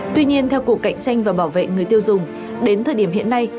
tuy nhiên theo cục cạnh tranh và bảo vệ người tiêu dùng đến thời điểm hiện nay